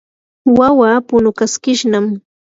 wawaa punukaskishnam.